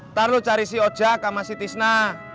ntar lo cari si ojak sama si tisna